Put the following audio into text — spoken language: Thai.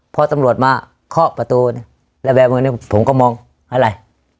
พอตำลวดมาเขาะประตูแล้วแบบนี้ผมก็มองอะไร